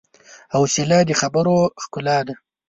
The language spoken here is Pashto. حوصله د خبرو ښکلا ده.